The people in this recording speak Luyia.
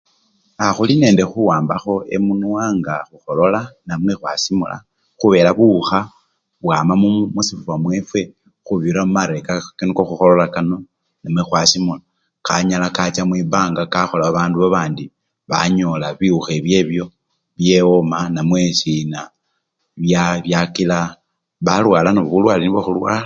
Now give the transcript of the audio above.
A! khulinende khuwambakho emunwa nga khukholola namwe khwasimula khubela buwukha bwama musifuba mwefwe khubirira mumare ka! khukholola kano namwe khwasimula kanyala kacha mwibanga kakhola babandu babandi banyola biwukha ebyebyo bye woma namwesina bya byakila balwala nabwo bulwale nibwo khulwala.